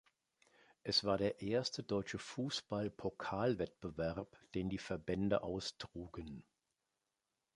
Es war der erste deutsche Fußball-Pokalwettbewerb, den die Verbände austrugen.